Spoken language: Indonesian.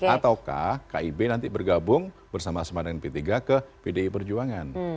ataukah kib nanti bergabung bersama sama dengan p tiga ke pdi perjuangan